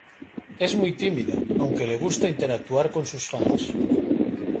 Es muy tímida, aunque le gusta interactuar con sus fans.